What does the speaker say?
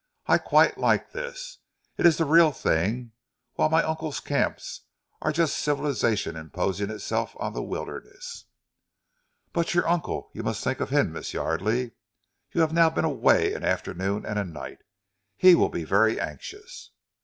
"I quite like this. It is the real thing; whilst my uncle's camps are just civilization imposing itself on the wilderness." "But your uncle! You must think of him, Miss Yardely. You have now been away an afternoon and a night. He will be very anxious."